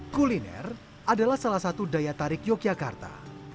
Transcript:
kuliner adalah salah satu daya tarik yogyakarta